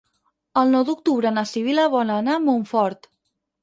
El nou d'octubre na Sibil·la vol anar a Montfort.